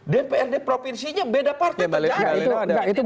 dpr ri provinsinya beda partai